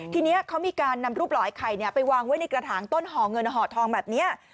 ทีนี้เขามีการนำรูปหลายไข่ไปวางไว้ในกระถางต้นห่อเงินห่อทองแบบนี้